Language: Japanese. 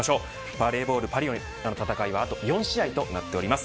バレーボール、パリへの戦いはあと４試合となっています。